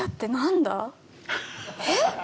えっ？